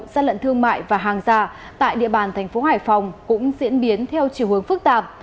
gian lận thương mại và hàng giả tại địa bàn thành phố hải phòng cũng diễn biến theo chiều hướng phức tạp